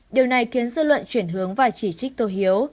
điều này khiến dư luận chuyển hướng và chỉ trích tô hiếu